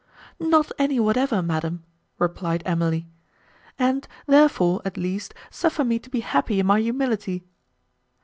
"Not any whatever, Madam," replied Emily, "and, therefore, at least, suffer me to be happy in my humility."